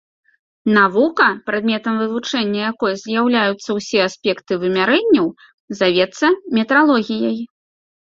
Навука, прадметам вывучэння якой з'яўляюцца ўсе аспекты вымярэнняў, завецца метралогіяй.